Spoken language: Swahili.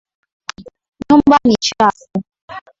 Nyumba ni chafu.